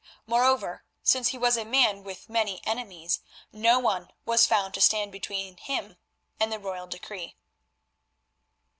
Moreover, since he was a man with many enemies, no one was found to stand between him and the Royal decree.